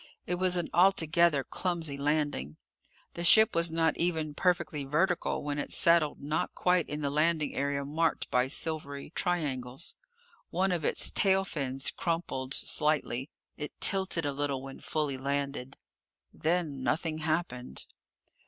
It was an altogether clumsy landing. The ship was not even perfectly vertical when it settled not quite in the landing area marked by silvery triangles. One of its tail fins crumpled slightly. It tilted a little when fully landed. Then nothing happened.